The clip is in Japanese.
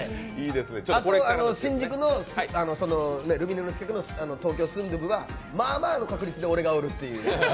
あと、新宿のルミネの近くの東京純豆腐が、まあまあの確率が俺がおるっていう。